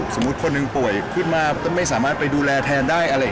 สมมุติคนหนึ่งป่วยขึ้นมาไม่สามารถไปดูแลแทนได้